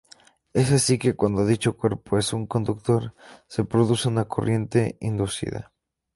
Es así que, cuando dicho cuerpo es un conductor, se produce una corriente inducida.